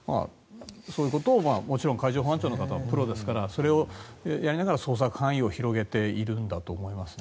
そういうことを、もちろん海上保安庁の方はプロですからそれをやりながら捜索範囲を広げているんだろうと思います。